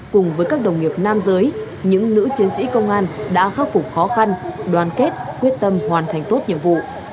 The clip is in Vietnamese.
cùng với các đồng nghiệp nam giới những nữ chiến sĩ công an đã khắc phục khó khăn đoàn kết quyết tâm hoàn thành tốt nhiệm vụ